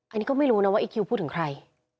อันนี้ก็ไม่รู้นะว่าอีคิวพูดถึงใคร